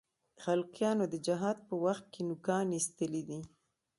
خلقیانو د جهاد په وخت کې نوکان اېستلي دي.